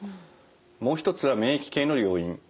もう一つは免疫系の要因。